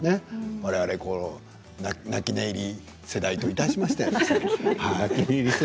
われわれの泣き寝入り世代といたしましてはね。